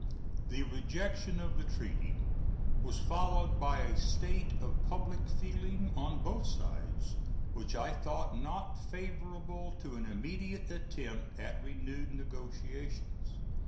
The rejection of the treaty was followed by a state of public feeling on both sides which I thought not favorable to an immediate attempt at renewed negotiations.